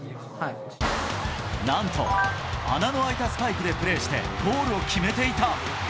なんと穴の開いたスパイクでプレーして、ゴールを決めていた。